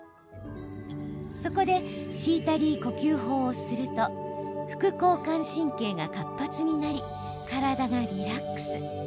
そこでシータリー呼吸法をすると副交感神経が活発になり体がリラックス。